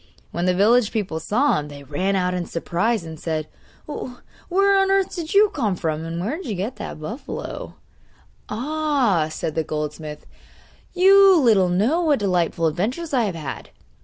When the village people saw him, they ran out in surprise, and said: 'Where on earth do you come from, and where did you get that buffalo?' 'Ah!' said the goldsmith, 'you little know what delightful adventures I have had!